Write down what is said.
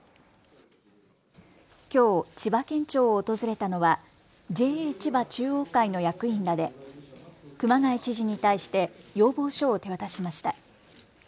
きょう千葉県庁を訪れたのはＪＡ千葉中央会の役員らで熊谷知事に対して要望書を手渡しました。